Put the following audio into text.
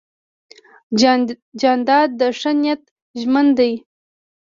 جانداد د ښه نیت ژمن دی.